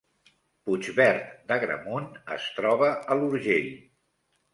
Puigverd d’Agramunt es troba a l’Urgell